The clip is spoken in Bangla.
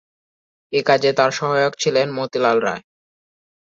একাজে তার সহায়ক ছিলেন মতিলাল রায়।